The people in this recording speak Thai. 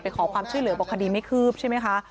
ไปขอความช่วยเหลือบริขาดีไม่คืบใช่มั้ยคะ